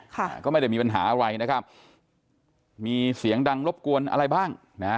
ค่ะก็ไม่ได้มีปัญหาอะไรนะครับมีเสียงดังรบกวนอะไรบ้างนะฮะ